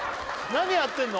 何やってんの？